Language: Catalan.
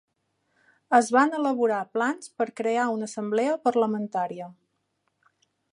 Es van elaborar plans per crear una assemblea parlamentària.